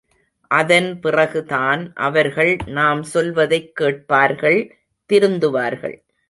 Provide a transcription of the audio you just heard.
அதன் பிறகுதான் அவர்கள் நாம் சொல்வதைக் கேட்பார்கள் திருந்துவார்கள்.